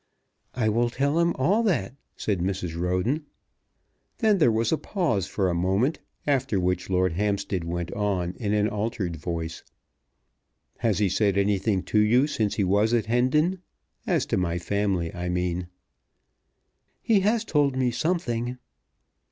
"I will tell him all that," said Mrs. Roden. Then there was a pause for a moment, after which Lord Hampstead went on in an altered voice. "Has he said anything to you since he was at Hendon; as to my family, I mean?" "He has told me something."